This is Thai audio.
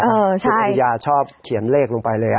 คุณอริยาชอบเขียนเลขลงไปเลย